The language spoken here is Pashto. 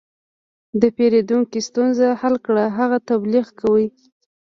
د پیرودونکي ستونزه حل کړه، هغه تبلیغ کوي.